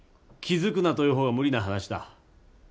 気づくなと言う方が無理な話だ。